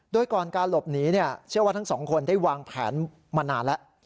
โดยก่อนการหลบหนีเชื่อว่าทั้งสองคนได้วางแผนมานานแล้ว